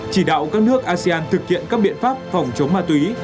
chỉ đạo các nước asean thực hiện các biện pháp phòng chống ma túy